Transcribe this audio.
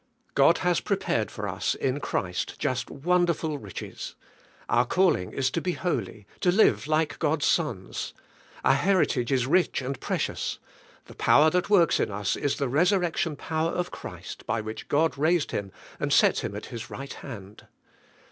God has pre pared for us in Christ just wonderful riches. Our calling is to be holy, to live like God,s sons. Our heritage is rich and precious. The power that works in us is the resurrection power of Christ by which God raised Him and set Him at His right hand.